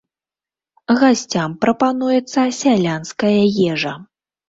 Гасцям прапануецца сялянская ежа.